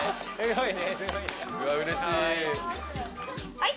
・はい。